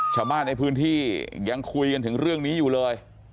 ชาวบ้านในพื้นที่ยังคุยกันถึงเรื่องนี้อยู่เลย